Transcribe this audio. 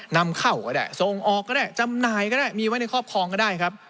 นำเข้าก็ได้ส่งออกก็ได้จำหน่ายก็ได้มีไว้ในครอบครองก็ได้ครับ